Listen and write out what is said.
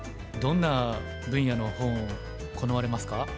どんな分野の本好まれますか？